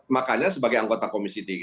makanya sebagai anggota komisi tiga